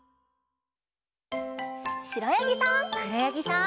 しろやぎさん。